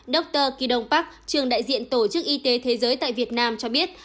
dr kido pak trường đại diện tổ chức y tế thế giới tại việt nam cho biết